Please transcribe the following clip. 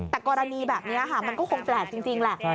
แต่กรณีแบบนี้คงแปลกแหละ